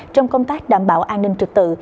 trong công tác đảm bảo an ninh trực tự